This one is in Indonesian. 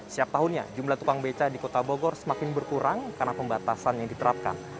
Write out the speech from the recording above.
setiap tahunnya jumlah tukang beca di kota bogor semakin berkurang karena pembatasan yang diterapkan